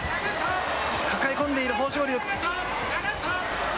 抱え込んでいる豊昇龍。